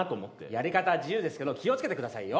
やり方は自由ですけど気を付けてくださいよ。